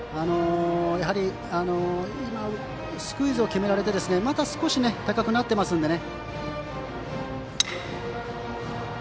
今、スクイズを決められてまた少しボールが高くなっていますのでね。